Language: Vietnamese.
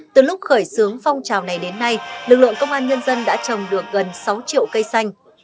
từ lúc khởi xướng phong trào này đến nay lực lượng công an nhân dân đã trồng được gần sáu triệu cây xanh